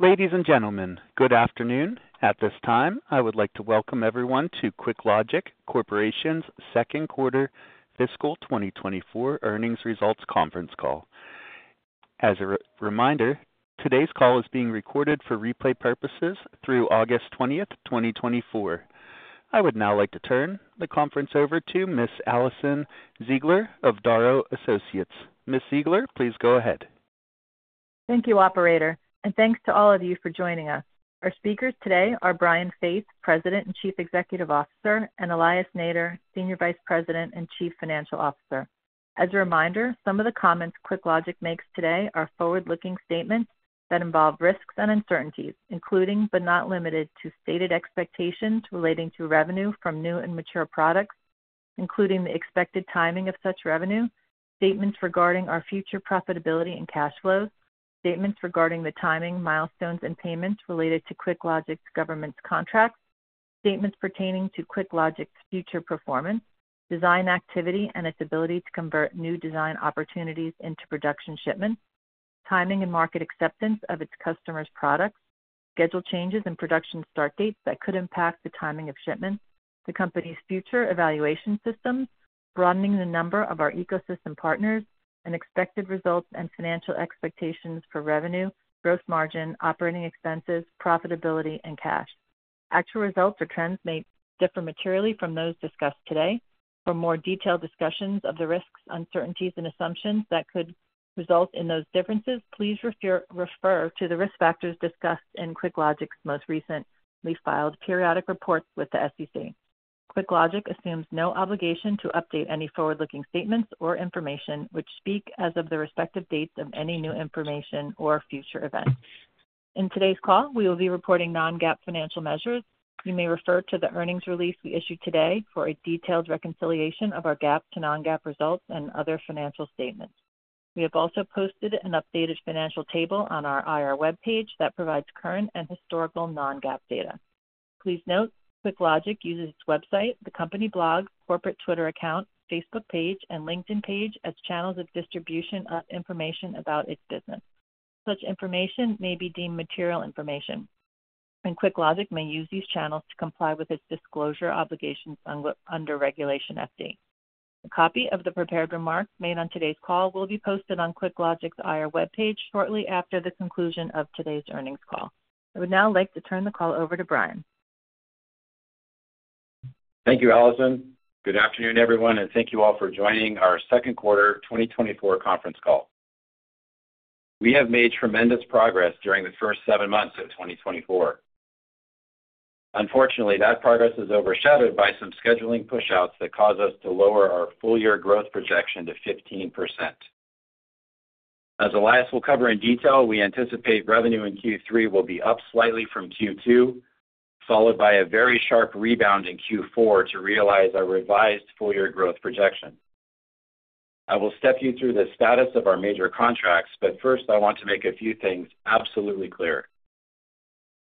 Ladies and gentlemen, good afternoon. At this time, I would like to welcome everyone to QuickLogic Corporation's second quarter fiscal 2024 earnings results conference call. As a reminder, today's call is being recorded for replay purposes through August 20th, 2024. I would now like to turn the conference over to Ms. Alison Ziegler of Darrow Associates. Ms. Ziegler, please go ahead. Thank you, operator, and thanks to all of you for joining us. Our speakers today are Brian Faith, President and Chief Executive Officer, and Elias Nader, Senior Vice President and Chief Financial Officer. As a reminder, some of the comments QuickLogic makes today are forward-looking statements that involve risks and uncertainties, including, but not limited to, stated expectations relating to revenue from new and mature products, including the expected timing of such revenue, statements regarding our future profitability and cash flows, statements regarding the timing, milestones, and payments related to QuickLogic's government contracts, statements pertaining to QuickLogic's future performance, design activity, and its ability to convert new design opportunities into production shipments, timing and market acceptance of its customers' products, schedule changes and production start dates that could impact the timing of shipments, the company's future evaluation systems, broadening the number of our ecosystem partners, and expected results and financial expectations for revenue, growth, margin, operating expenses, profitability, and cash. Actual results or trends may differ materially from those discussed today. For more detailed discussions of the risks, uncertainties, and assumptions that could result in those differences, please refer to the risk factors discussed in QuickLogic's most recently filed periodic reports with the SEC. QuickLogic assumes no obligation to update any forward-looking statements or information which speak as of the respective dates of any new information or future events. In today's call, we will be reporting non-GAAP financial measures. You may refer to the earnings release we issued today for a detailed reconciliation of our GAAP to non-GAAP results and other financial statements. We have also posted an updated financial table on our IR webpage that provides current and historical non-GAAP data. Please note, QuickLogic uses its website, the company blog, corporate Twitter account, Facebook page, and LinkedIn page as channels of distribution of information about its business. Such information may be deemed material information, and QuickLogic may use these channels to comply with its disclosure obligations under Regulation FD. A copy of the prepared remarks made on today's call will be posted on QuickLogic's IR webpage shortly after the conclusion of today's earnings call. I would now like to turn the call over to Brian. Thank you, Alison. Good afternoon, everyone, and thank you all for joining our second quarter 2024 conference call. We have made tremendous progress during the first seven months of 2024. Unfortunately, that progress is overshadowed by some scheduling pushouts that cause us to lower our full year growth projection to 15%. As Elias will cover in detail, we anticipate revenue in Q3 will be up slightly from Q2, followed by a very sharp rebound in Q4 to realize our revised full year growth projection. I will step you through the status of our major contracts, but first I want to make a few things absolutely clear.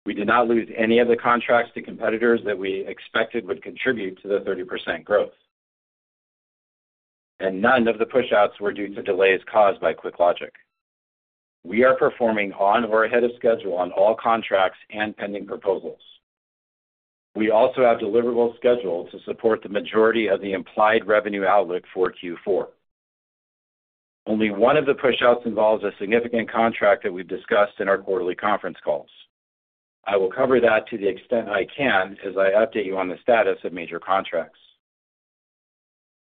We did not lose any of the contracts to competitors that we expected would contribute to the 30% growth, and none of the pushouts were due to delays caused by QuickLogic. We are performing on or ahead of schedule on all contracts and pending proposals. We also have deliverable schedules to support the majority of the implied revenue outlook for Q4. Only one of the pushouts involves a significant contract that we've discussed in our quarterly conference calls. I will cover that to the extent I can, as I update you on the status of major contracts.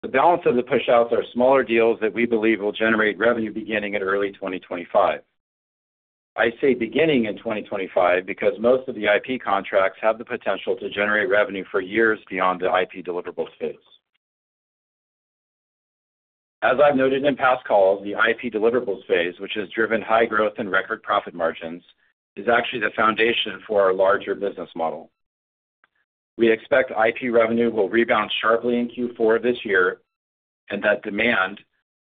The balance of the pushouts are smaller deals that we believe will generate revenue beginning in early 2025. I say beginning in 2025 because most of the IP contracts have the potential to generate revenue for years beyond the IP deliverables phase. As I've noted in past calls, the IP deliverables phase, which has driven high growth and record profit margins, is actually the foundation for our larger business model. We expect IP revenue will rebound sharply in Q4 this year, and that demand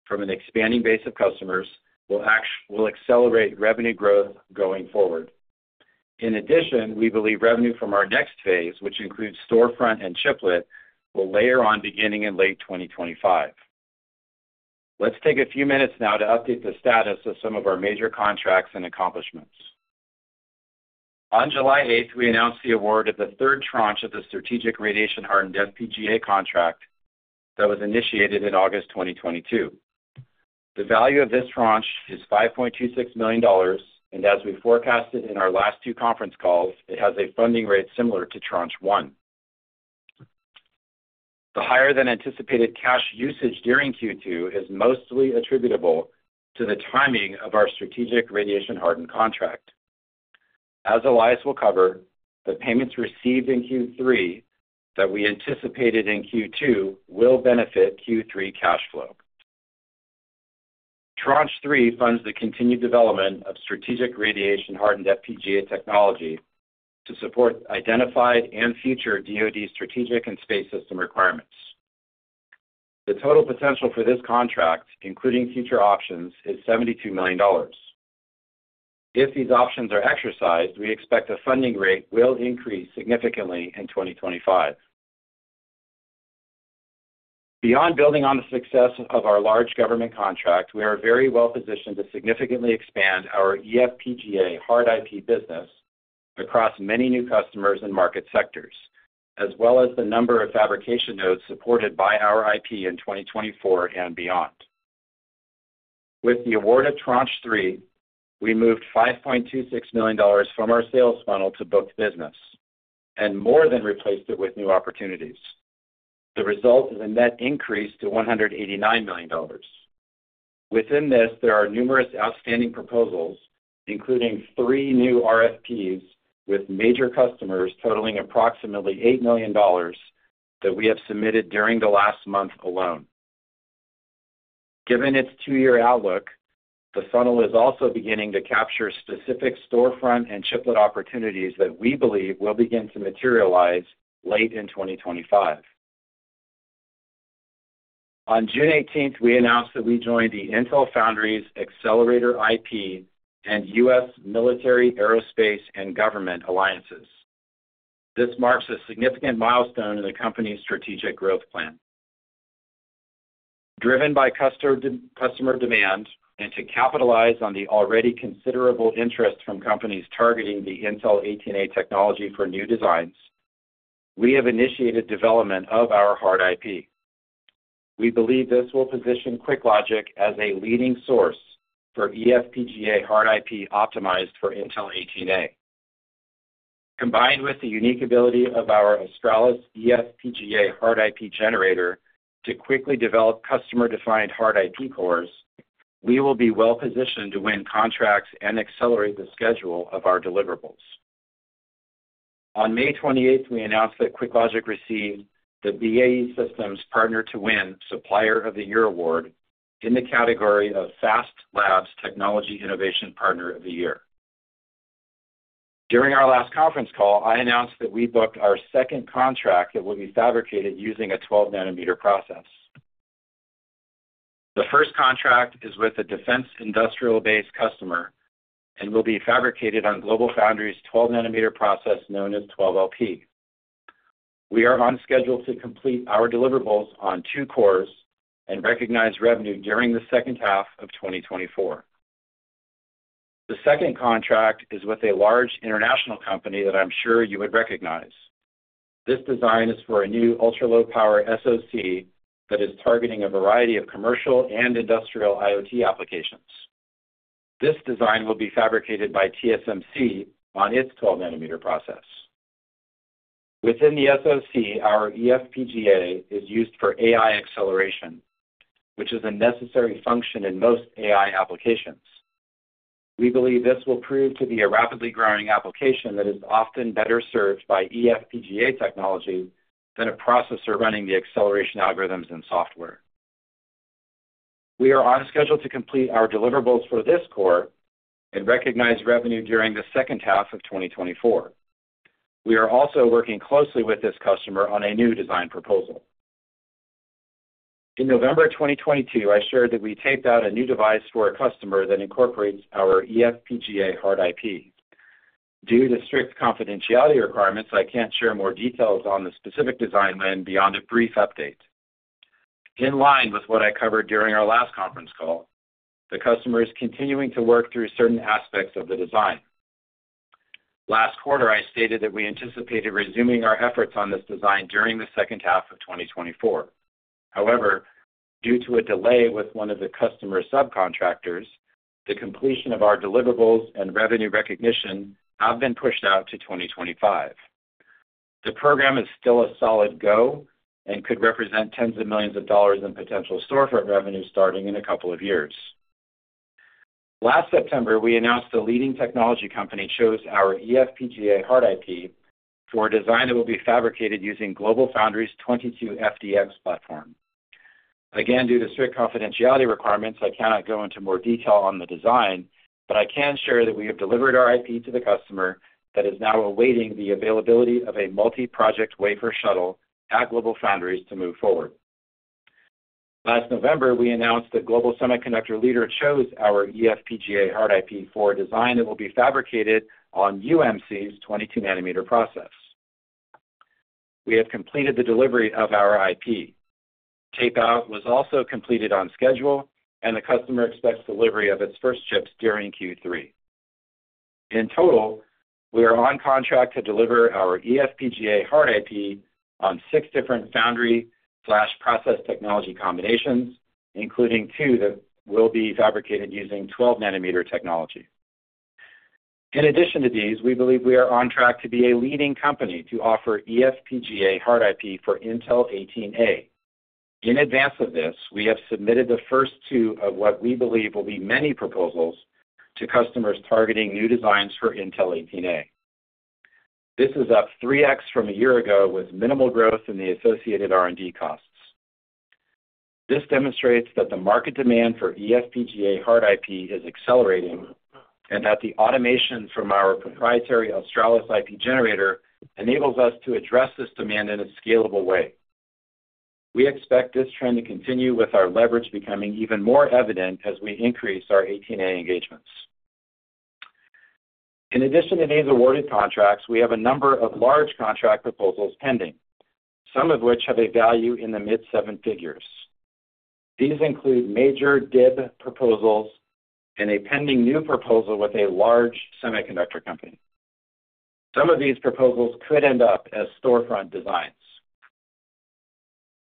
from an expanding base of customers will accelerate revenue growth going forward. In addition, we believe revenue from our next phase, which includes storefront and chiplet, will layer on beginning in late 2025. Let's take a few minutes now to update the status of some of our major contracts and accomplishments. On July 8th, we announced the award of the third tranche of the Strategic Radiation Hardened FPGA contract that was initiated in August 2022. The value of this tranche is $5.26 million, and as we forecasted in our last two conference calls, it has a funding rate similar to tranche one. The higher-than-anticipated cash usage during Q2 is mostly attributable to the timing of our strategic radiation hardened contract. As Elias will cover, the payments received in Q3 that we anticipated in Q2 will benefit Q3 cash flow. Tranche Three funds the continued development of strategic radiation-hardened FPGA technology to support identified and future DoD strategic and space system requirements. The total potential for this contract, including future options, is $72 million. If these options are exercised, we expect the funding rate will increase significantly in 2025. Beyond building on the success of our large government contract, we are very well positioned to significantly expand our eFPGA hard IP business across many new customers and market sectors, as well as the number of fabrication nodes supported by our IP in 2024 and beyond. With the award of tranche three, we moved $5.26 million from our sales funnel to booked business and more than replaced it with new opportunities. The result is a net increase to $189 million. Within this, there are numerous outstanding proposals, including three new RFPs with major customers totaling approximately $8 million that we have submitted during the last month alone. Given its two-year outlook, the funnel is also beginning to capture specific storefront and chiplet opportunities that we believe will begin to materialize late in 2025. On June 18th, we announced that we joined the Intel Foundry's Accelerator IP and U.S. Military, Aerospace, and Government Alliances. This marks a significant milestone in the company's strategic growth plan. Driven by customer, customer demand and to capitalize on the already considerable interest from companies targeting the Intel 18A technology for new designs, we have initiated development of our hard IP. We believe this will position QuickLogic as a leading source for eFPGA hard IP optimized for Intel 18A. Combined with the unique ability of our Australis eFPGA hard IP generator to quickly develop customer-defined hard IP cores, we will be well positioned to win contracts and accelerate the schedule of our deliverables. On May 28th, we announced that QuickLogic received the BAE Systems Partner2Win Supplier of the Year award in the category of FAST Labs Technology Innovation Partner of the Year. During our last conference call, I announced that we booked our second contract that will be fabricated using a 12-nanometer process. The first contract is with a defense industrial base customer and will be fabricated on GlobalFoundries' 12-nanometer process, known as 12LP. We are on schedule to complete our deliverables on two cores and recognize revenue during the second half of 2024. The second contract is with a large international company that I'm sure you would recognize. This design is for a new ultra-low power SoC that is targeting a variety of commercial and industrial IoT applications. This design will be fabricated by TSMC on its 12-nanometer process. Within the SoC, our eFPGA is used for AI acceleration, which is a necessary function in most AI applications. We believe this will prove to be a rapidly growing application that is often better served by eFPGA technology than a processor running the acceleration algorithms and software. We are on schedule to complete our deliverables for this core and recognize revenue during the second half of 2024. We are also working closely with this customer on a new design proposal. In November of 2022, I shared that we taped out a new device for a customer that incorporates our eFPGA hard IP. Due to strict confidentiality requirements, I can't share more details on the specific design win beyond a brief update. In line with what I covered during our last conference call, the customer is continuing to work through certain aspects of the design. Last quarter, I stated that we anticipated resuming our efforts on this design during the second half of 2024. However, due to a delay with one of the customer's subcontractors, the completion of our deliverables and revenue recognition have been pushed out to 2025. The program is still a solid go and could represent tens of millions of dollars in potential storefront revenue starting in a couple of years. Last September, we announced the leading technology company chose our eFPGA hard IP for a design that will be fabricated using GlobalFoundries' 22FDX platform. Again, due to strict confidentiality requirements, I cannot go into more detail on the design, but I can share that we have delivered our IP to the customer that is now awaiting the availability of a multi-project wafer shuttle at GlobalFoundries to move forward. Last November, we announced that global semiconductor leader chose our eFPGA hard IP for a design that will be fabricated on UMC's 22-nanometer process. We have completed the delivery of our IP. Tape-out was also completed on schedule, and the customer expects delivery of its first chips during Q3. In total, we are on contract to deliver our eFPGA hard IP on six different foundry/process technology combinations, including two that will be fabricated using 12-nanometer technology. In addition to these, we believe we are on track to be a leading company to offer eFPGA hard IP for Intel 18A. In advance of this, we have submitted the first two of what we believe will be many proposals to customers targeting new designs for Intel 18A. This is up 3x from a year ago, with minimal growth in the associated R&D costs. This demonstrates that the market demand for eFPGA hard IP is accelerating, and that the automation from our proprietary Australis IP generator enables us to address this demand in a scalable way. We expect this trend to continue, with our leverage becoming even more evident as we increase our 18A engagements. In addition to these awarded contracts, we have a number of large contract proposals pending, some of which have a value in the mid seven figures. These include major DIB proposals and a pending new proposal with a large semiconductor company. Some of these proposals could end up as storefront designs.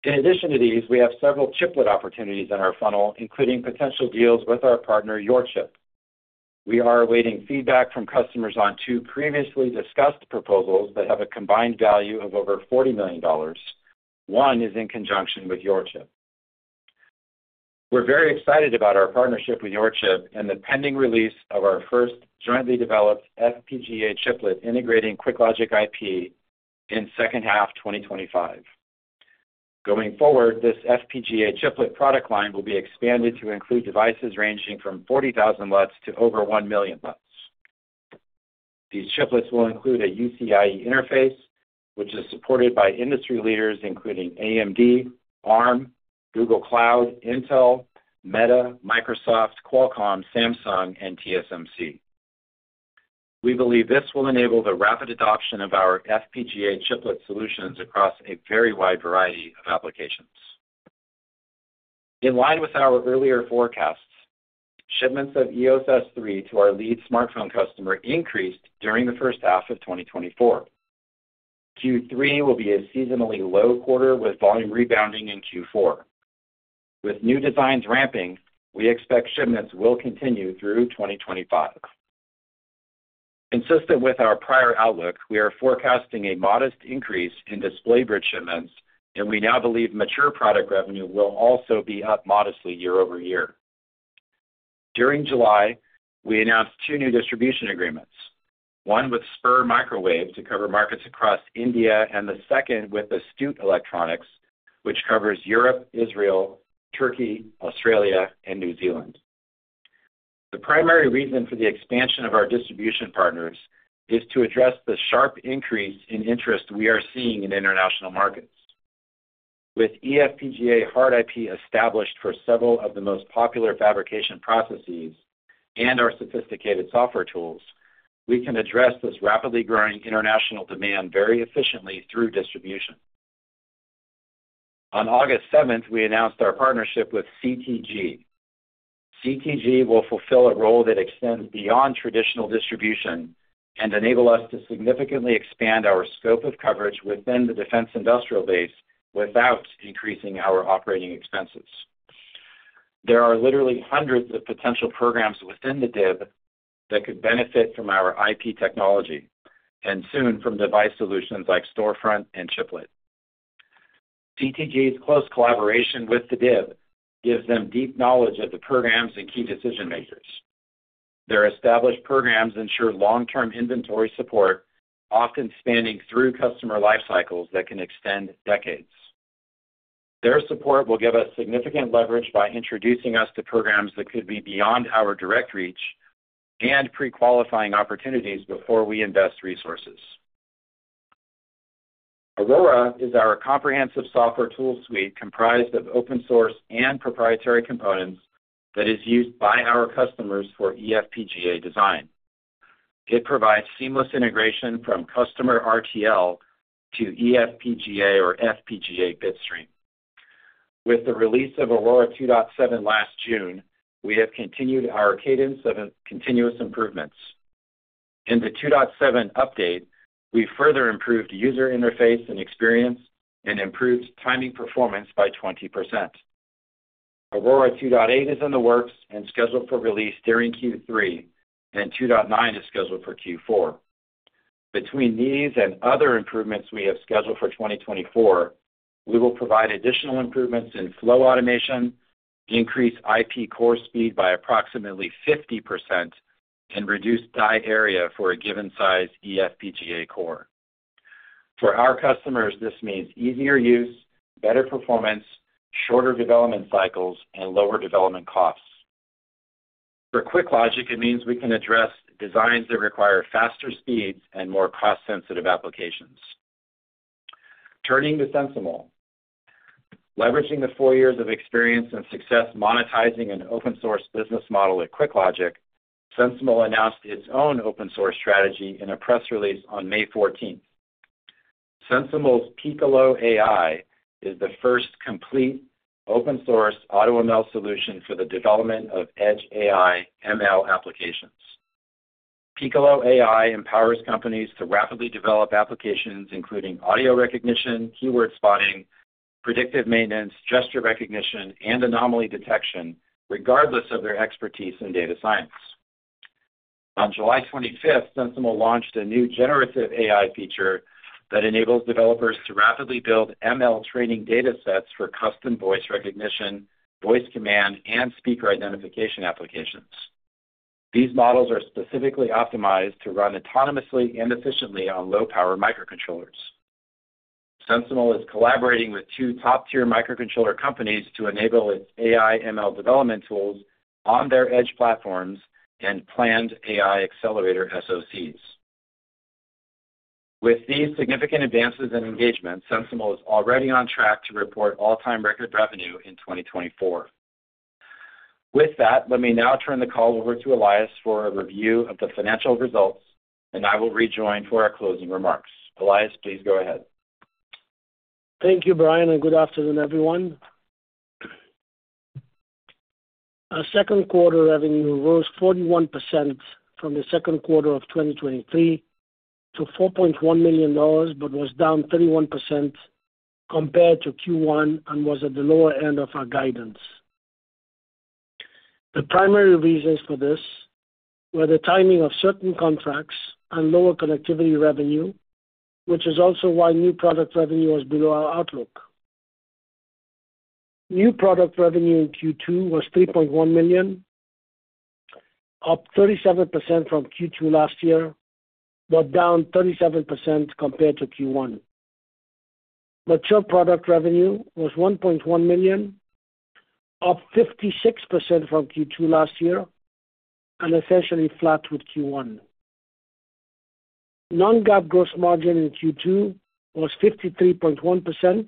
In addition to these, we have several chiplet opportunities in our funnel, including potential deals with our partner, YorChip. We are awaiting feedback from customers on two previously discussed proposals that have a combined value of over $40 million. One is in conjunction with YorChip. We're very excited about our partnership with YorChip and the pending release of our first jointly developed FPGA chiplet, integrating QuickLogic IP in second half, 2025. Going forward, this FPGA chiplet product line will be expanded to include devices ranging from 40,000 LUTs to over 1 million LUTs. These chiplets will include a UCIe interface, which is supported by industry leaders, including AMD, Arm, Google Cloud, Intel, Meta, Microsoft, Qualcomm, Samsung, and TSMC. We believe this will enable the rapid adoption of our FPGA chiplet solutions across a very wide variety of applications. In line with our earlier forecasts, shipments of EOS S3 to our lead smartphone customer increased during the first half of 2024. Q3 will be a seasonally low quarter, with volume rebounding in Q4. With new designs ramping, we expect shipments will continue through 2025. Consistent with our prior outlook, we are forecasting a modest increase in display bridge shipments, and we now believe mature product revenue will also be up modestly year-over-year. During July, we announced two new distribution agreements, one with Spur Microwave, to cover markets across India, and the second with Astute Electronics, which covers Europe, Israel, Turkey, Australia, and New Zealand. The primary reason for the expansion of our distribution partners is to address the sharp increase in interest we are seeing in international markets. With eFPGA hard IP established for several of the most popular fabrication processes and our sophisticated software tools, we can address this rapidly growing international demand very efficiently through distribution. On August 7th, we announced our partnership with CTG. CTG will fulfill a role that extends beyond traditional distribution and enable us to significantly expand our scope of coverage within the defense industrial base without increasing our operating expenses. There are literally hundreds of potential programs within the DIB that could benefit from our IP technology, and soon from device solutions like storefront and chiplet. CTG's close collaboration with the DIB gives them deep knowledge of the programs and key decision makers. Their established programs ensure long-term inventory support, often spanning through customer life cycles that can extend decades. Their support will give us significant leverage by introducing us to programs that could be beyond our direct reach and pre-qualifying opportunities before we invest resources. Aurora is our comprehensive software tool suite, comprised of open-source and proprietary components, that is used by our customers for eFPGA design. It provides seamless integration from customer RTL to eFPGA or FPGA bitstream. With the release of Aurora 2.7 last June, we have continued our cadence of continuous improvements. In the 2.7 update, we've further improved user interface and experience and improved timing performance by 20%. Aurora 2.8 is in the works and scheduled for release during Q3, and 2.9 is scheduled for Q4. Between these and other improvements we have scheduled for 2024, we will provide additional improvements in flow automation, increase IP core speed by approximately 50%, and reduce die area for a given size eFPGA core. For our customers, this means easier use, better performance, shorter development cycles, and lower development costs. For QuickLogic, it means we can address designs that require faster speeds and more cost-sensitive applications. Turning to SensiML. Leveraging the 4 years of experience and success monetizing an open source business model at QuickLogic, SensiML announced its own open source strategy in a press release on May 14th. SensiML's Piccolo AI is the first complete open source AutoML solution for the development of edge AI ML applications. Piccolo AI empowers companies to rapidly develop applications, including audio recognition, keyword spotting, predictive maintenance, gesture recognition, and anomaly detection, regardless of their expertise in data science. On July 25th, SensiML launched a new generative AI feature that enables developers to rapidly build ML training data sets for custom voice recognition, voice command, and speaker identification applications. These models are specifically optimized to run autonomously and efficiently on low-power microcontrollers. SensiML is collaborating with two top-tier microcontroller companies to enable its AI ML development tools on their edge platforms and planned AI accelerator SoCs. With these significant advances in engagement, SensiML is already on track to report all-time record revenue in 2024. With that, let me now turn the call over to Elias for a review of the financial results, and I will rejoin for our closing remarks. Elias, please go ahead. Thank you, Brian, and good afternoon, everyone. Our second quarter revenue rose 41% from the second quarter of 2023 to $4.1 million, but was down 31% compared to Q1 and was at the lower end of our guidance. The primary reasons for this were the timing of certain contracts and lower connectivity revenue, which is also why new product revenue was below our outlook. New product revenue in Q2 was $3.1 million, up 37% from Q2 last year, but down 37% compared to Q1. Mature product revenue was $1.1 million, up 56% from Q2 last year, and essentially flat with Q1. Non-GAAP gross margin in Q2 was 53.1%,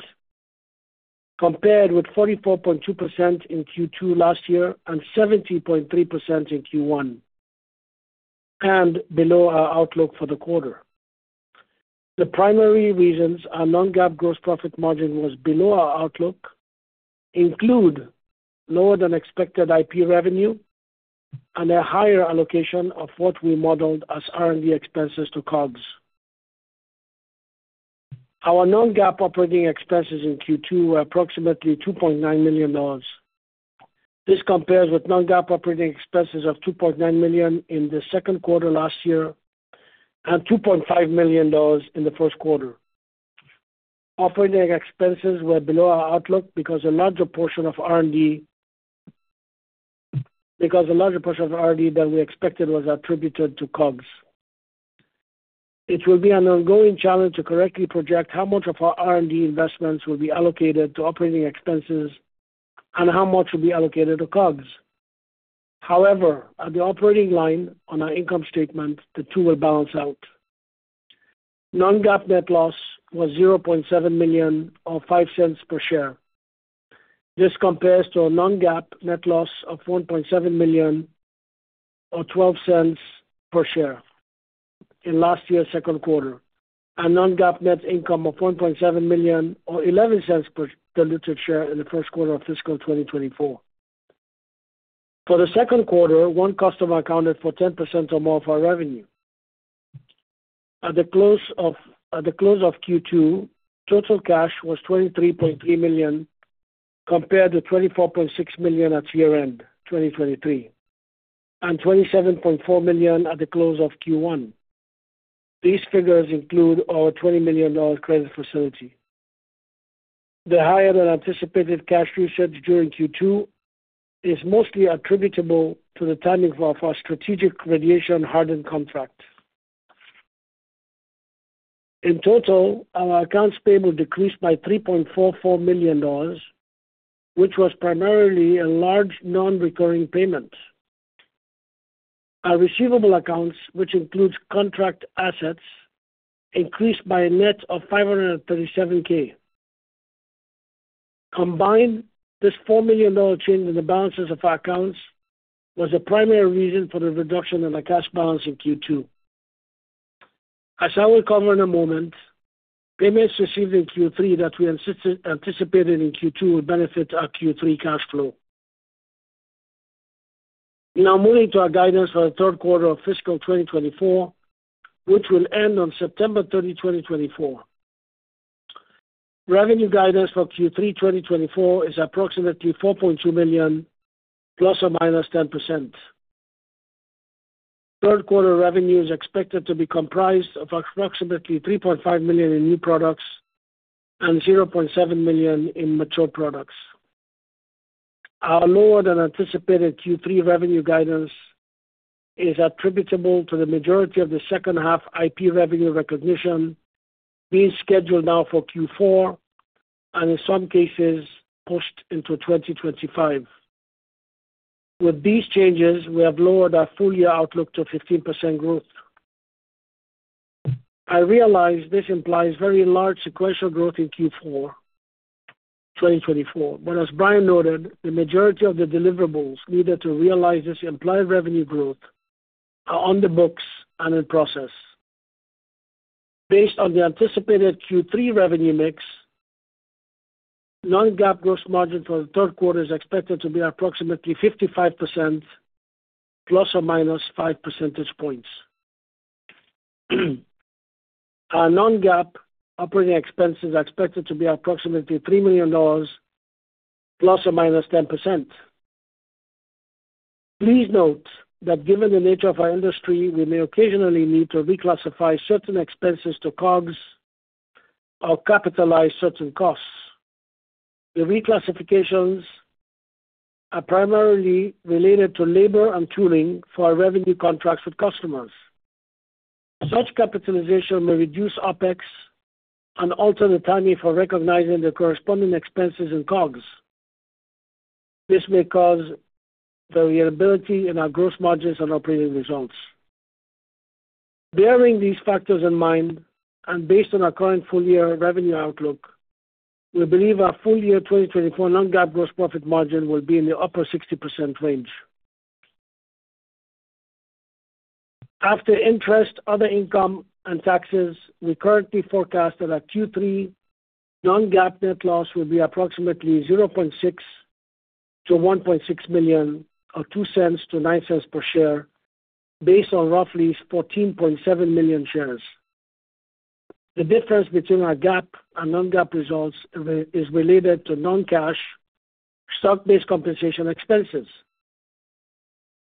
compared with 44.2% in Q2 last year and 70.3% in Q1, and below our outlook for the quarter. The primary reasons our Non-GAAP gross profit margin was below our outlook include lower than expected IP revenue and a higher allocation of what we modeled as R&D expenses to COGS. Our Non-GAAP operating expenses in Q2 were approximately $2.9 million. This compares with Non-GAAP operating expenses of $2.9 million in the second quarter last year and $2.5 million in the first quarter. Operating expenses were below our outlook because a larger portion of R&D than we expected was attributed to COGS. It will be an ongoing challenge to correctly project how much of our R&D investments will be allocated to operating expenses and how much will be allocated to COGS. However, at the operating line on our income statement, the two will balance out. Non-GAAP net loss was $0.7 million, or $0.05 per share. This compares to a non-GAAP net loss of $1.7 million, or $0.12 per share in last year's second quarter, and non-GAAP net income of $1.7 million, or $0.11 per diluted share in the first quarter of fiscal 2024. For the second quarter, one customer accounted for 10% or more of our revenue. At the close of Q2, total cash was $23.3 million, compared to $24.6 million at year-end 2023, and $27.4 million at the close of Q1. These figures include our $20 million credit facility. The higher-than-anticipated cash burn during Q2 is mostly attributable to the timing of our strategic radiation-hardened contract. In total, our accounts payable decreased by $3.44 million, which was primarily a large non-recurring payment. Our receivable accounts, which includes contract assets, increased by a net of $537,000. Combined, this $4 million change in the balances of our accounts was the primary reason for the reduction in the cash balance in Q2. As I will cover in a moment, payments received in Q3 that we anticipated in Q2 will benefit our Q3 cash flow. Now moving to our guidance for the third quarter of fiscal 2024, which will end on September 30, 2024. Revenue guidance for Q3 2024 is approximately $4.2 million, ±10%. Third quarter revenue is expected to be comprised of approximately $3.5 million in new products and $0.7 million in mature products. Our lower-than-anticipated Q3 revenue guidance is attributable to the majority of the second half IP revenue recognition being scheduled now for Q4, and in some cases, pushed into 2025. With these changes, we have lowered our full-year outlook to 15% growth. I realize this implies very large sequential growth in Q4 2024. But as Brian noted, the majority of the deliverables needed to realize this implied revenue growth are on the books and in process. Based on the anticipated Q3 revenue mix, non-GAAP gross margin for the third quarter is expected to be approximately 55%, ±5 percentage points. Our non-GAAP operating expenses are expected to be approximately $3 million, ±10%. Please note that given the nature of our industry, we may occasionally need to reclassify certain expenses to COGS or capitalize certain costs. The reclassifications are primarily related to labor and tooling for our revenue contracts with customers. Such capitalization may reduce OpEx and alter the timing for recognizing the corresponding expenses in COGS. This may cause variability in our gross margins and operating results. Bearing these factors in mind, and based on our current full-year revenue outlook, we believe our full-year 2024 non-GAAP gross profit margin will be in the upper 60% range. After interest, other income, and taxes, we currently forecast that our Q3 non-GAAP net loss will be approximately $0.6 million-$1.6 million, or $0.02-$0.09 per share, based on roughly 14.7 million shares. The difference between our GAAP and non-GAAP results is related to non-cash stock-based compensation expenses.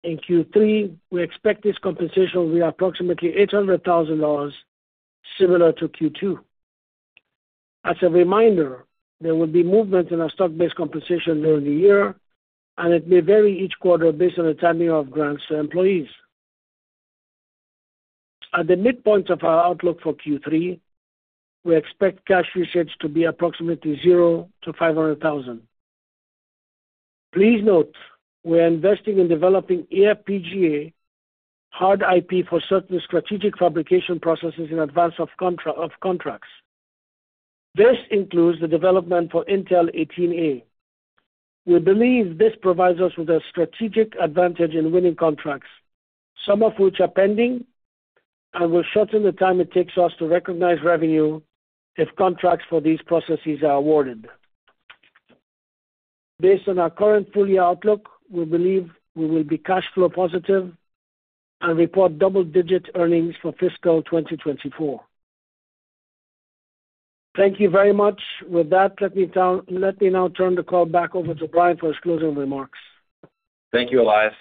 In Q3, we expect this compensation will be approximately $800,000, similar to Q2. As a reminder, there will be movement in our stock-based compensation during the year, and it may vary each quarter based on the timing of grants to employees. At the midpoint of our outlook for Q3, we expect cash receipts to be approximately $0-$500,000. Please note, we are investing in developing eFPGA hard IP for certain strategic fabrication processes in advance of contracts. This includes the development for Intel 18A. We believe this provides us with a strategic advantage in winning contracts, some of which are pending, and will shorten the time it takes us to recognize revenue if contracts for these processes are awarded. Based on our current full-year outlook, we believe we will be cash flow positive and report double-digit earnings for fiscal 2024. Thank you very much. With that, let me now turn the call back over to Brian for his closing remarks. Thank you, Elias.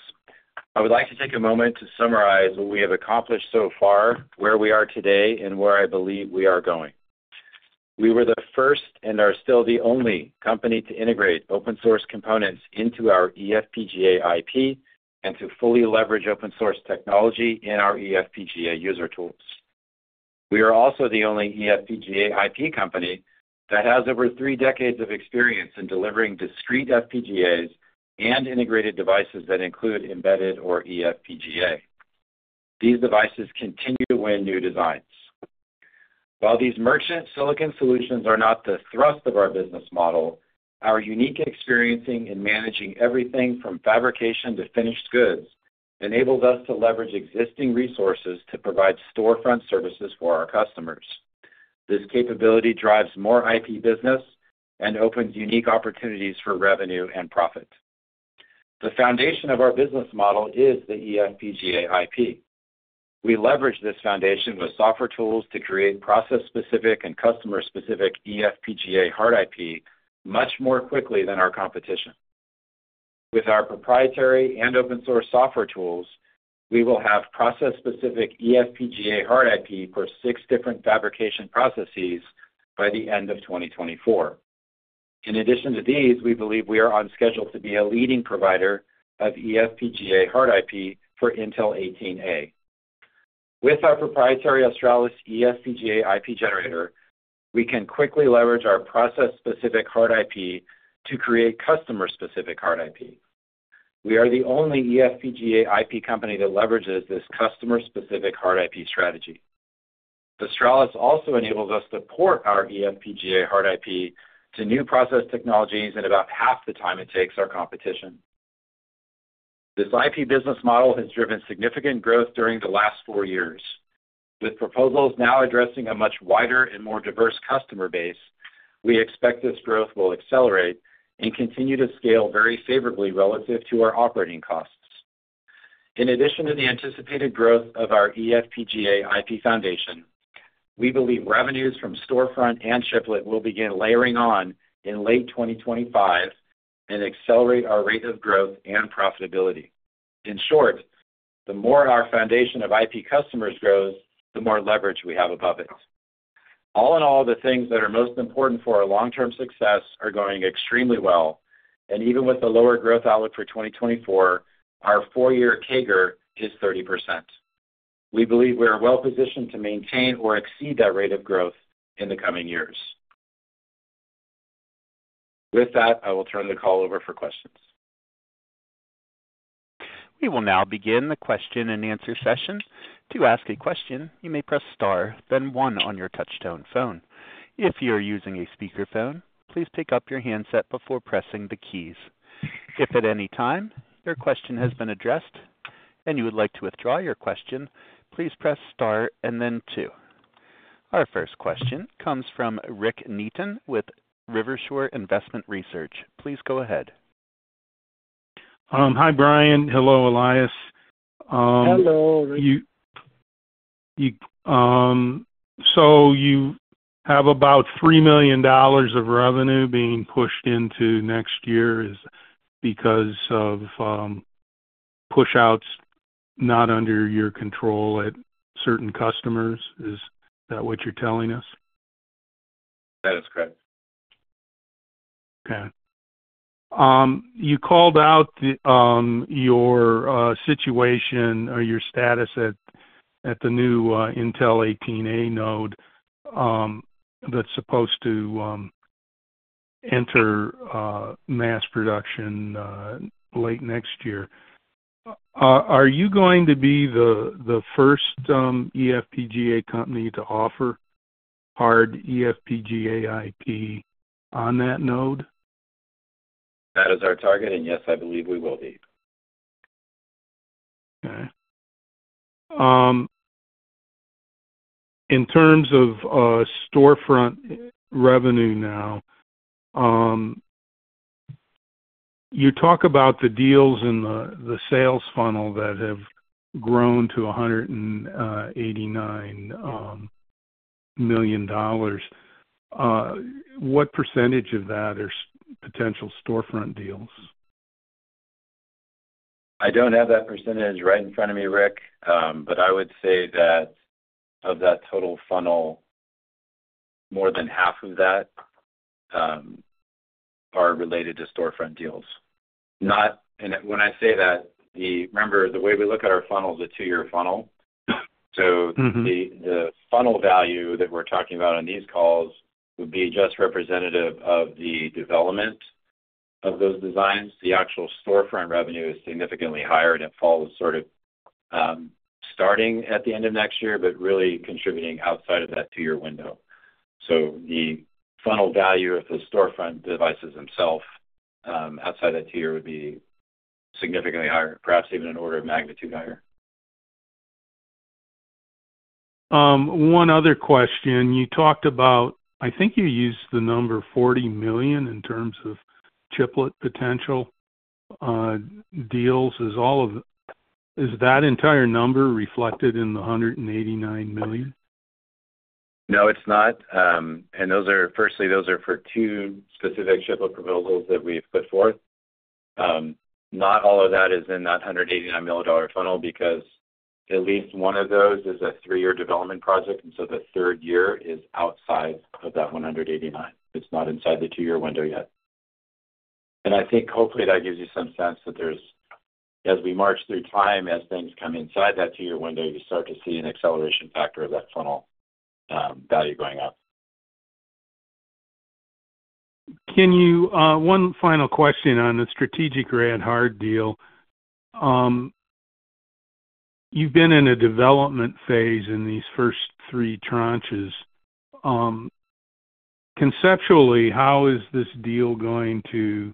I would like to take a moment to summarize what we have accomplished so far, where we are today, and where I believe we are going. We were the first, and are still the only, company to integrate open source components into our eFPGA IP and to fully leverage open source technology in our eFPGA user tools. We are also the only eFPGA IP company that has over three decades of experience in delivering discrete FPGAs and integrated devices that include embedded or eFPGA. These devices continue to win new designs. While these merchant silicon solutions are not the thrust of our business model, our unique experience in managing everything from fabrication to finished goods enables us to leverage existing resources to provide storefront services for our customers. This capability drives more IP business and opens unique opportunities for revenue and profit. The foundation of our business model is the eFPGA IP. We leverage this foundation with software tools to create process-specific and customer-specific eFPGA hard IP much more quickly than our competition. With our proprietary and open source software tools, we will have process-specific eFPGA hard IP for six different fabrication processes by the end of 2024. In addition to these, we believe we are on schedule to be a leading provider of eFPGA hard IP for Intel 18A. With our proprietary Australis eFPGA IP generator, we can quickly leverage our process-specific hard IP to create customer-specific hard IP. We are the only eFPGA IP company that leverages this customer-specific hard IP strategy. Australis also enables us to port our eFPGA hard IP to new process technologies in about half the time it takes our competition. This IP business model has driven significant growth during the last four years. With proposals now addressing a much wider and more diverse customer base, we expect this growth will accelerate and continue to scale very favorably relative to our operating costs. In addition to the anticipated growth of our eFPGA IP foundation, we believe revenues from storefront and chiplet will begin layering on in late 2025 and accelerate our rate of growth and profitability. In short, the more our foundation of IP customers grows, the more leverage we have above it. All in all, the things that are most important for our long-term success are going extremely well, and even with the lower growth outlook for 2024, our four-year CAGR is 30%. We believe we are well positioned to maintain or exceed that rate of growth in the coming years. With that, I will turn the call over for questions. We will now begin the question and answer session. To ask a question, you may press star then one on your touchtone phone. If you are using a speakerphone, please pick up your handset before pressing the keys. If at any time your question has been addressed and you would like to withdraw your question, please press star and then two. Our first question comes from Rick Neaton with Rivershore Investment Research. Please go ahead. Hi, Brian. Hello, Elias. Hello, Rick. So you have about $3 million of revenue being pushed into next year is because of pushouts not under your control at certain customers. Is that what you're telling us? That is correct. Okay. You called out your situation or your status at the new Intel 18A node that's supposed to enter mass production late next year. Are you going to be the first eFPGA company to offer hard eFPGA IP on that node? That is our target, and yes, I believe we will be. Okay. In terms of storefront revenue now, you talk about the deals in the sales funnel that have grown to $189 million. What percentage of that are potential storefront deals? I don't have that percentage right in front of me, Rick. But I would say that of that total funnel, more than half of that are related to storefront deals. And when I say that, remember, the way we look at our funnel is a two-year funnel. Mm-hmm. So the funnel value that we're talking about on these calls would be just representative of the development of those designs. The actual storefront revenue is significantly higher, and it falls sort of, starting at the end of next year, but really contributing outside of that two-year window. So the funnel value of the storefront devices themselves, outside that tier, would be significantly higher, perhaps even an order of magnitude higher. One other question. You talked about, I think you used the number $40 million in terms of chiplet potential deals. Is that entire number reflected in the $189 million? No, it's not. And those are, firstly, those are for two specific chiplet deliverables that we've put forth. Not all of that is in that $189 million funnel, because at least one of those is a three-year development project, and so the third year is outside of that $189 million. It's not inside the two-year window yet. And I think hopefully that gives you some sense that there's, as we march through time, as things come inside that two-year window, you start to see an acceleration factor of that funnel value going up. One final question on the strategic Rad-Hard deal. You've been in a development phase in these first three tranches. Conceptually, how is this deal going to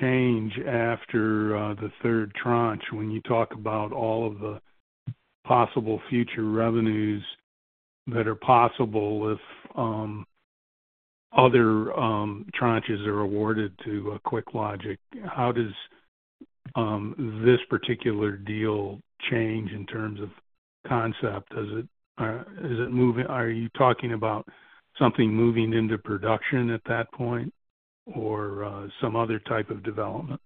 change after the third tranche, when you talk about all of the possible future revenues that are possible if other tranches are awarded to QuickLogic? How does this particular deal change in terms of concept? Does it, is it moving, are you talking about something moving into production at that point, or some other type of development?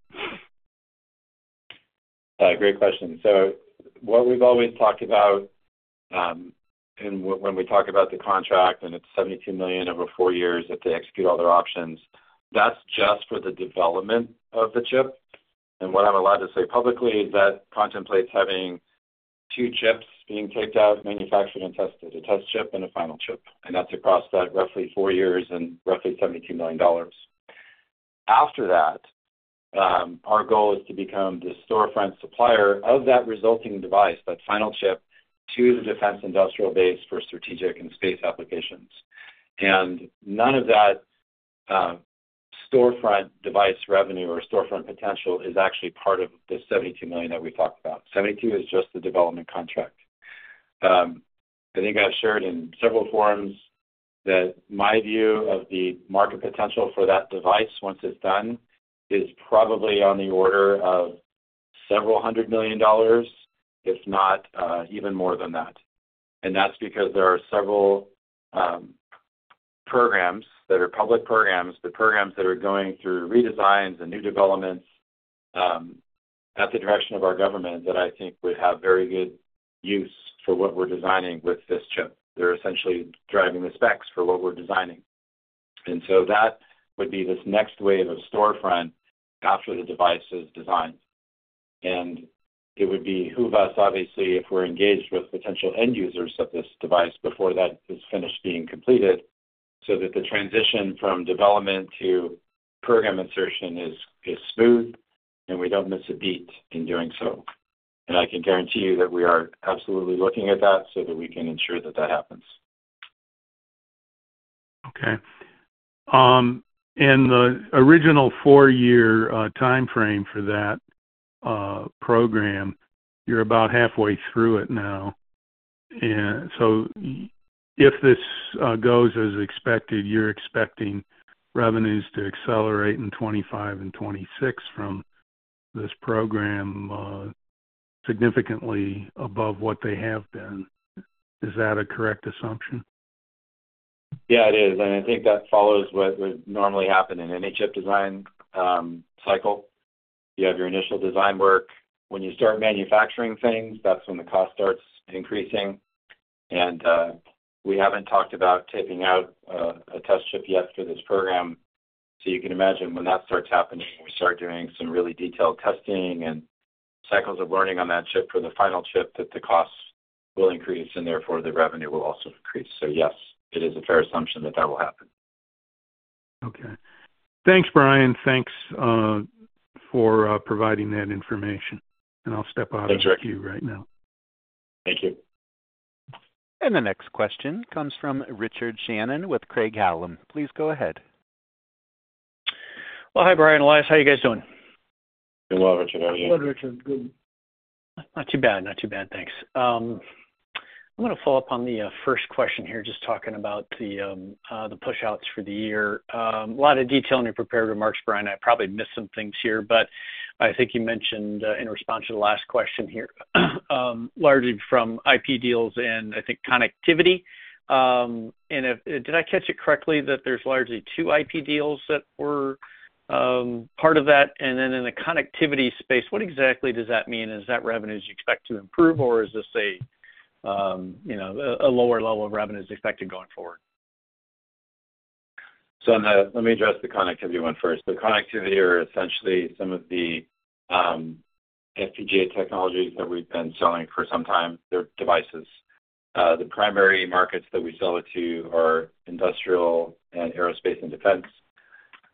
Great question. So what we've always talked about, and when we talk about the contract, and it's $72 million over four years, if they execute all their options, that's just for the development of the chip. And what I'm allowed to say publicly is that contemplates having two chips being taped out, manufactured, and tested, a test chip and a final chip, and that's across that roughly four years and roughly $72 million. After that, our goal is to become the storefront supplier of that resulting device, that final chip, to the defense industrial base for strategic and space applications. And none of that, storefront device revenue or storefront potential is actually part of the $72 million that we talked about. Seventy-two is just the development contract. I think I've shared in several forums that my view of the market potential for that device, once it's done, is probably on the order of several hundred million dollars, if not even more than that. And that's because there are several programs that are public programs, but programs that are going through redesigns and new developments at the direction of our government, that I think would have very good use for what we're designing with this chip. They're essentially driving the specs for what we're designing. And so that would be this next wave of storefront after the device is designed. And it would behoove us, obviously, if we're engaged with potential end users of this device before that is finished being completed, so that the transition from development to program insertion is, is smooth, and we don't miss a beat in doing so. I can guarantee you that we are absolutely looking at that so that we can ensure that that happens. Okay. In the original four-year timeframe for that program, you're about halfway through it now. And so if this goes as expected, you're expecting revenues to accelerate in 2025 and 2026 from this program significantly above what they have been. Is that a correct assumption? Yeah, it is, and I think that follows what would normally happen in any chip design cycle. You have your initial design work. When you start manufacturing things, that's when the cost starts increasing. And, we haven't talked about taping out a test chip yet for this program. So you can imagine when that starts happening, we start doing some really detailed testing and cycles of learning on that chip for the final chip, that the costs will increase, and therefore, the revenue will also increase. So yes, it is a fair assumption that that will happen. Okay. Thanks, Brian. Thanks for providing that information, and I'll step out of the queue right now. Thank you. The next question comes from Richard Shannon with Craig-Hallum. Please go ahead. Well, hi, Brian, Elias. How you guys doing? Hello, Richard, how are you? Hello, Richard. Good. Not too bad, not too bad, thanks. I'm gonna follow up on the first question here, just talking about the pushouts for the year. A lot of detail in your prepared remarks, Brian. I probably missed some things here, but I think you mentioned in response to the last question here, largely from IP deals and I think connectivity. And if, did I catch it correctly, that there's largely two IP deals that were part of that? And then in the connectivity space, what exactly does that mean? Is that revenues you expect to improve, or is this a, you know, a lower level of revenues expected going forward? So on the, let me address the connectivity one first. The connectivity are essentially some of the FPGA technologies that we've been selling for some time. They're devices. The primary markets that we sell it to are industrial and aerospace and defense.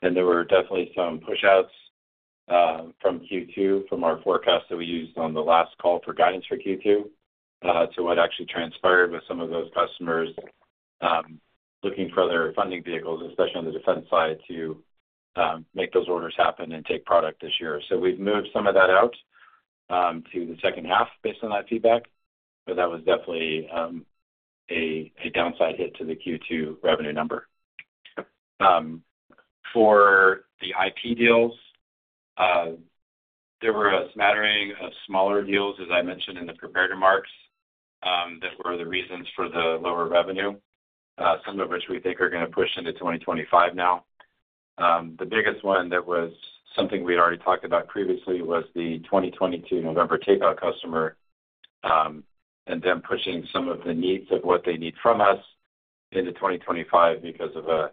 And there were definitely some pushouts from Q2, from our forecast that we used on the last call for guidance for Q2 to what actually transpired with some of those customers looking for other funding vehicles, especially on the defense side, to make those orders happen and take product this year. So we've moved some of that out to the second half based on that feedback, but that was definitely a downside hit to the Q2 revenue number. For the IP deals, there were a smattering of smaller deals, as I mentioned in the prepared remarks, that were the reasons for the lower revenue, some of which we think are gonna push into 2025 now. The biggest one that was something we had already talked about previously was the 2022 November takeout customer, and them pushing some of the needs of what they need from us into 2025 because of a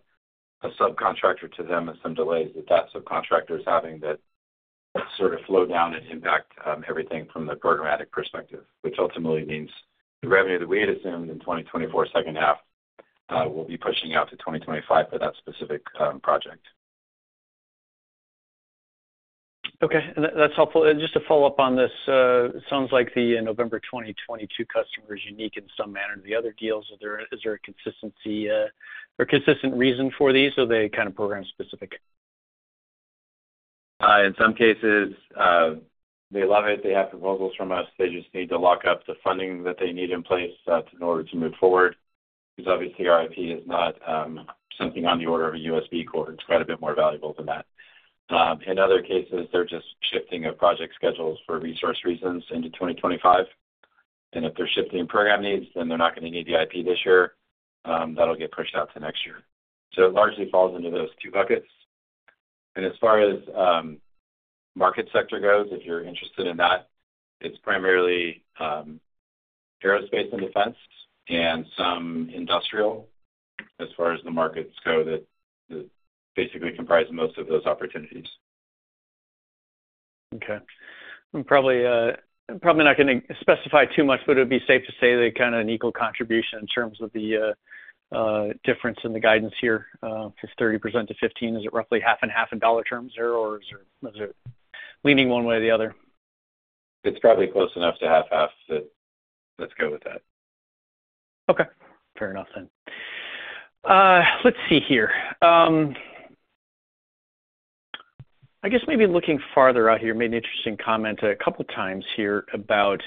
subcontractor to them and some delays that that subcontractor is having that sort of flow down and impact everything from the programmatic perspective, which ultimately means the revenue that we had assumed in 2024 second half will be pushing out to 2025 for that specific project. Okay, and that, that's helpful. And just to follow up on this, it sounds like the November 2022 customer is unique in some manner to the other deals. Is there a consistency or consistent reason for these, or are they kind of program-specific? In some cases, they love it, they have proposals from us. They just need to lock up the funding that they need in place, in order to move forward, because obviously our IP is not something on the order of a USB cord. It's quite a bit more valuable than that. In other cases, they're just shifting of project schedules for resource reasons into 2025, and if they're shifting program needs, then they're not gonna need the IP this year. That'll get pushed out to next year. So it largely falls into those two buckets. And as far as market sector goes, if you're interested in that, it's primarily aerospace and defense and some industrial as far as the markets go, that basically comprise most of those opportunities. Okay. I'm probably probably not gonna specify too much, but it would be safe to say they're kind of an equal contribution in terms of the difference in the guidance here. If it's 30%-15%, is it roughly half and half in dollar terms there, or is there, is it leaning one way or the other? It's probably close enough to have half of it, so let's go with that. Okay, fair enough then. Let's see here. I guess maybe looking farther out here, you made an interesting comment a couple of times here about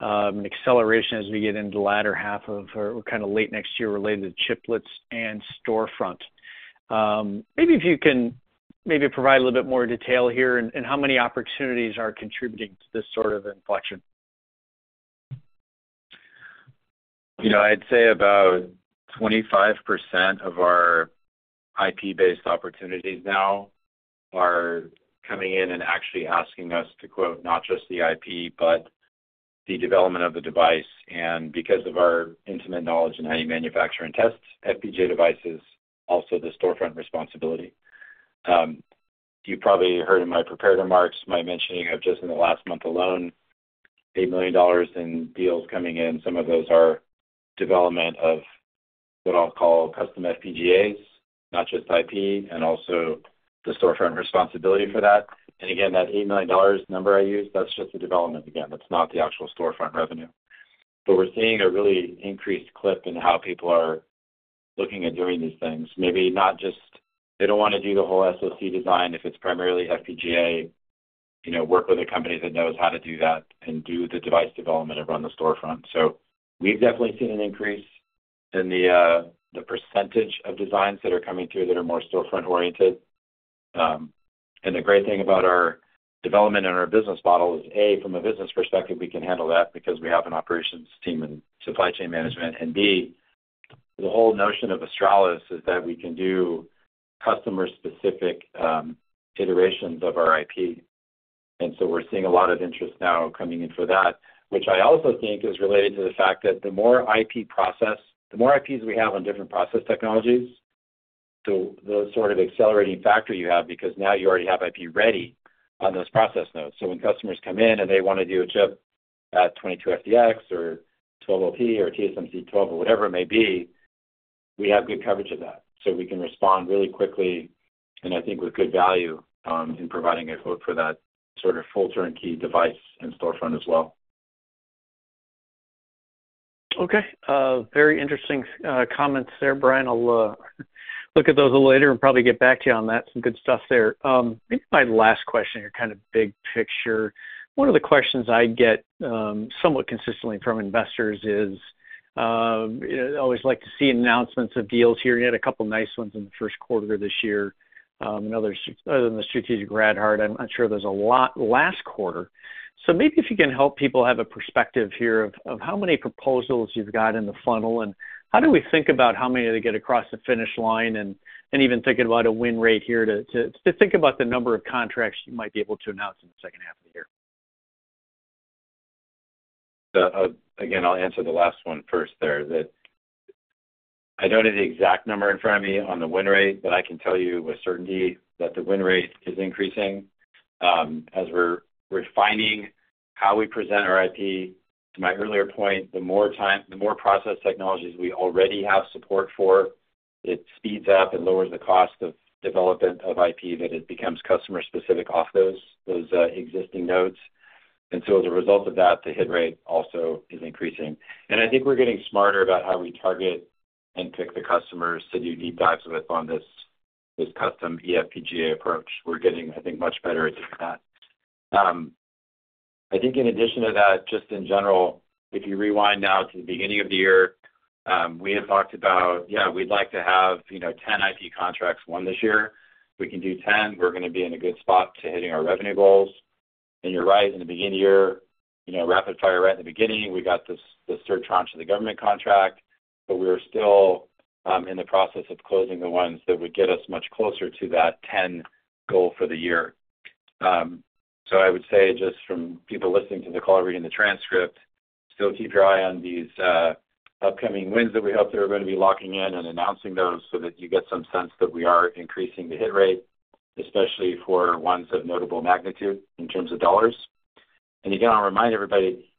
an acceleration as we get into the latter half of, or kind of late next year related to chiplets and storefront. Maybe if you can maybe provide a little bit more detail here, and how many opportunities are contributing to this sort of inflection? You know, I'd say about 25% of our IP-based opportunities now are coming in and actually asking us to quote not just the IP, but the development of the device, and because of our intimate knowledge in how you manufacture and test FPGA devices, also the storefront responsibility. You probably heard in my prepared remarks, my mentioning of just in the last month alone, $8 million in deals coming in. Some of those are development of what I'll call custom FPGAs, not just IP, and also the storefront responsibility for that. And again, that $8 million number I used, that's just the development again. That's not the actual storefront revenue. But we're seeing a really increased clip in how people are looking at doing these things. Maybe not just, they don't wanna do the whole SoC design if it's primarily FPGA, you know, work with a company that knows how to do that and do the device development and run the storefront. So we've definitely seen an increase in the percentage of designs that are coming through that are more storefront-oriented. And the great thing about our development and our business model is, A, from a business perspective, we can handle that because we have an operations team and supply chain management. B, the whole notion of Australis is that we can do customer-specific iterations of our IP. So we're seeing a lot of interest now coming in for that, which I also think is related to the fact that the more IP process, the more IPs we have on different process technologies, so the sort of accelerating factor you have, because now you already have IP ready on those process nodes. So when customers come in and they wanna do a chip at 22FDX or 12LP or TSMC 12 or whatever it may be, we have good coverage of that. So we can respond really quickly, and I think with good value in providing a quote for that sort of full turnkey device and storefront as well. Okay. Very interesting comments there, Brian. I'll look at those a little later and probably get back to you on that. Some good stuff there. Maybe my last question here, kind of big picture. One of the questions I get somewhat consistently from investors is, always like to see announcements of deals here. You had a couple nice ones in the first quarter this year. Another, other than the strategic Rad-Hard, I'm not sure there's a lot last quarter. So maybe if you can help people have a perspective here of how many proposals you've got in the funnel, and how do we think about how many of they get across the finish line, and even thinking about a win rate here, to think about the number of contracts you might be able to announce in the second half of the year. Again, I'll answer the last one first there, that I don't have the exact number in front of me on the win rate, but I can tell you with certainty that the win rate is increasing, as we're refining how we present our IP. To my earlier point, the more process technologies we already have support for, it speeds up and lowers the cost of development of IP, that it becomes customer-specific off those, existing nodes. And so as a result of that, the hit rate also is increasing. And I think we're getting smarter about how we target and pick the customers that do deep dives with us on this custom eFPGA approach. We're getting, I think, much better at that. I think in addition to that, just in general, if you rewind now to the beginning of the year, we had talked about, yeah, we'd like to have, you know, 10 IP contracts won this year. We can do 10, we're gonna be in a good spot to hitting our revenue goals. And you're right, in the beginning of the year, you know, rapid fire, right at the beginning, we got this, the third tranche of the government contract, but we're still in the process of closing the ones that would get us much closer to that 10 goal for the year. So I would say, just from people listening to the call, reading the transcript, still keep your eye on these upcoming wins that we hope that we're gonna be locking in and announcing those, so that you get some sense that we are increasing the hit rate, especially for ones of notable magnitude in terms of dollars. And again, I'll remind everybody,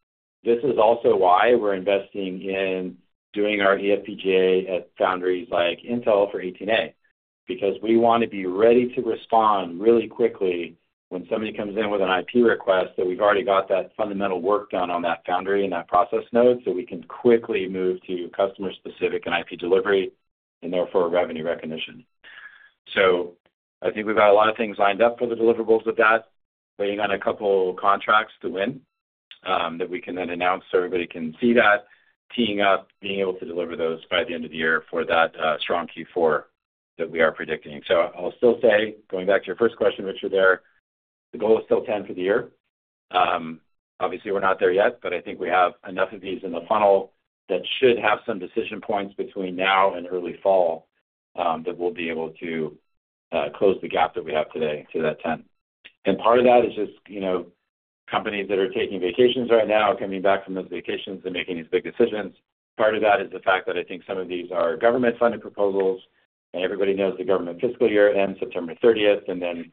this is also why we're investing in doing our eFPGA at foundries like Intel for 18A, because we wanna be ready to respond really quickly when somebody comes in with an IP request, that we've already got that fundamental work done on that foundry and that process node, so we can quickly move to customer-specific and IP delivery, and therefore, revenue recognition. So I think we've got a lot of things lined up for the deliverables with that, waiting on a couple contracts to win, that we can then announce so everybody can see that, teeing up, being able to deliver those by the end of the year for that, strong Q4 that we are predicting. So I'll still say, going back to your first question, Richard, there, the goal is still 10 for the year. Obviously, we're not there yet, but I think we have enough of these in the funnel that should have some decision points between now and early fall, that we'll be able to, close the gap that we have today to that 10. And part of that is just, you know, companies that are taking vacations right now, coming back from those vacations and making these big decisions. Part of that is the fact that I think some of these are government-funded proposals, and everybody knows the government fiscal year ends September thirtieth, and then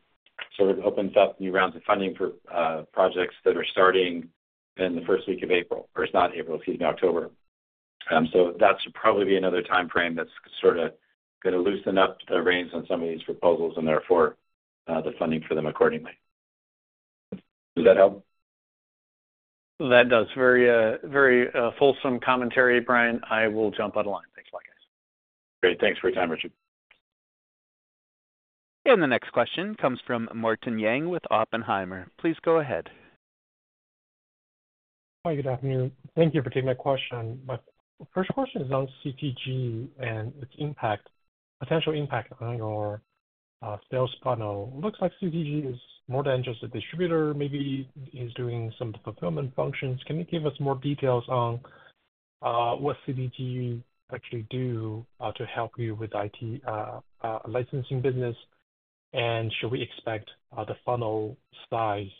sort of opens up new rounds of funding for projects that are starting in the first week of April, or it's not April, excuse me, October. So that should probably be another timeframe that's sorta gonna loosen up the reins on some of these proposals, and therefore, the funding for them accordingly. Does that help? That does. Very, very, fulsome commentary, Brian. I will jump on line. Thanks again. Great. Thanks for your time, Richard. The next question comes from Martin Yang with Oppenheimer. Please go ahead. Hi, good afternoon. Thank you for taking my question. My first question is on CTG and its impact, potential impact on your sales funnel. It looks like CTG is more than just a distributor, maybe is doing some fulfillment functions. Can you give us more details on what CTG actually do to help you with IP licensing business? And should we expect the funnel size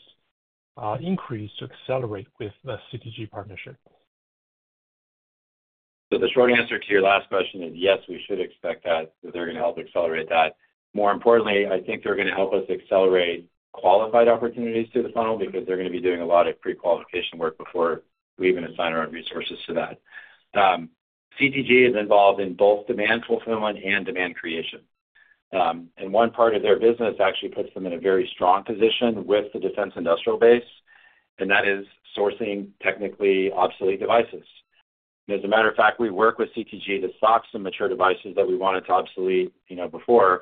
increase to accelerate with the CTG partnership? So the short answer to your last question is, yes, we should expect that. They're gonna help accelerate that. More importantly, I think they're gonna help us accelerate qualified opportunities to the funnel, because they're gonna be doing a lot of pre-qualification work before we even assign our own resources to that. CTG is involved in both demand fulfillment and demand creation. And one part of their business actually puts them in a very strong position with the defense industrial base, and that is sourcing technically obsolete devices. As a matter of fact, we work with CTG to stock some mature devices that we wanted to obsolete, you know, before.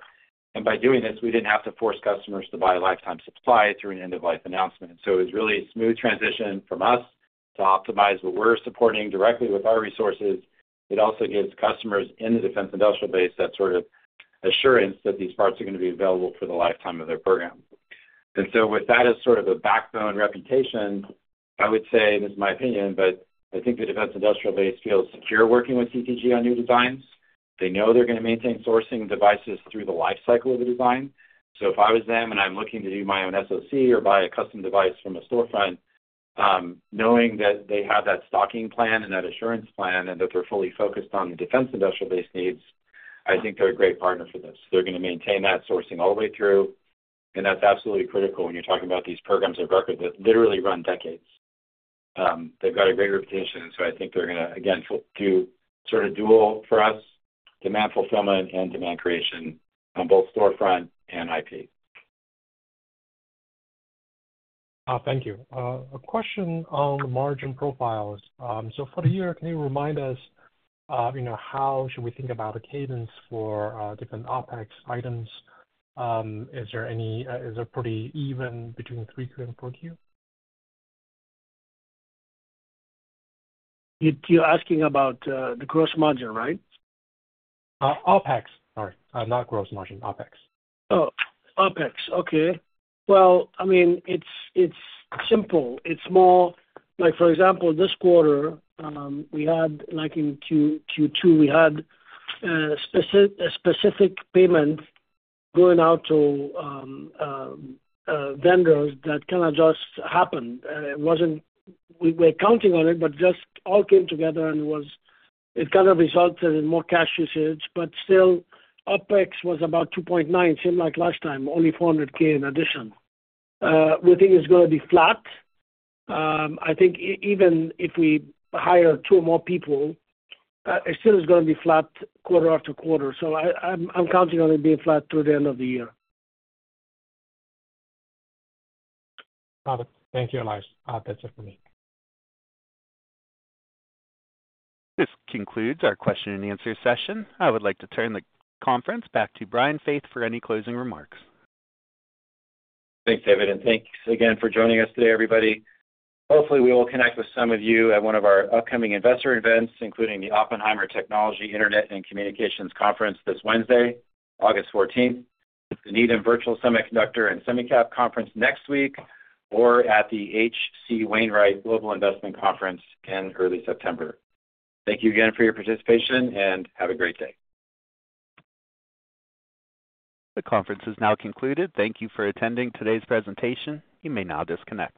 And by doing this, we didn't have to force customers to buy a lifetime supply through an end-of-life announcement. So it's really a smooth transition from us to optimize what we're supporting directly with our resources. It also gives customers in the defense industrial base that sort of assurance that these parts are gonna be available for the lifetime of their program. And so with that as sort of a backbone reputation, I would say, and this is my opinion, but I think the defense industrial base feels secure working with CTG on new designs. They know they're gonna maintain sourcing devices through the life cycle of the design. So if I was them, and I'm looking to do my own SoC or buy a custom device from a storefront, knowing that they have that stocking plan and that assurance plan, and that they're fully focused on the defense industrial base needs, I think they're a great partner for this. They're gonna maintain that sourcing all the way through, and that's absolutely critical when you're talking about these programs of record that literally run decades. They've got a great reputation, so I think they're gonna, again, do sort of dual for us, demand fulfillment and demand creation on both storefront and IP. Thank you. A question on the margin profiles. So for the year, can you remind us of, you know, how should we think about the cadence for different OpEx items? Is there any, is it pretty even between 3Q and 4Q? You, you're asking about the gross margin, right? OpEx, sorry. Not gross margin, OpEx. Oh, OpEx. Okay. Well, I mean, it's simple. It's more like, for example, this quarter, we had like in Q2, we had a specific payment going out to vendors that kind of just happened. It wasn't. We were counting on it, but just all came together and it kind of resulted in more cash usage. But still, OpEx was about $2.9, same like last time, only $400,000 in addition. We think it's gonna be flat. I think even if we hire two more people, it still is gonna be flat quarter after quarter. So I'm counting on it being flat through the end of the year. Got it. Thank you, Elias. That's it for me. This concludes our question and answer session. I would like to turn the conference back to Brian Faith for any closing remarks. Thanks, David, and thanks again for joining us today, everybody. Hopefully, we will connect with some of you at one of our upcoming investor events, including the Oppenheimer Technology Internet and Communications Conference this Wednesday, August 14th, the Needham Virtual Semiconductor and SemiCap Conference next week, or at the H.C. Wainwright Global Investment Conference in early September. Thank you again for your participation, and have a great day. The conference is now concluded. Thank you for attending today's presentation. You may now disconnect.